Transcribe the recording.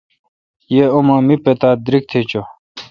یہ اما می پتا دریگ چو۔